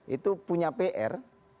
itu punya pr